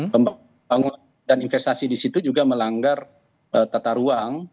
pembangunan dan investasi di situ juga melanggar tata ruang